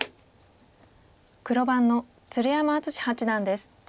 黒番の鶴山淳志八段です。